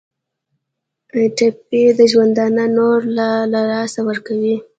ټپي د ژوندانه نور له لاسه ورکوي.